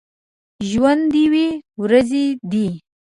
ژوند دوې ورځي دی